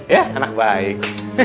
ya anak baik